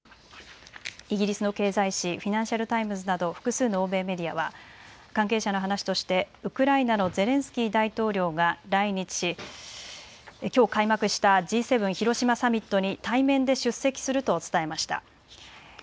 お伝えしていますようにイギリスの経済紙、フィナンシャル・タイムズなど複数の欧米メディアは関係者の話としてウクライナのゼレンスキー大統領が来日しＧ７広島サミットに対面で出席すると伝えました。